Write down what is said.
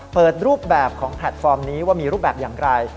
เปิดรูปแบบของแพลตฟอร์มนี้ว่ามีรูปแบบอย่างไร